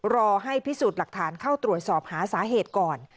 รอให้พิสูจน์หลักฐานเข้าตรวจสอบหาสาเหตุก่อน